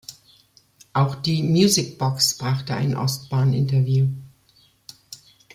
Auch die "Musicbox" brachte ein Ostbahn-Interview.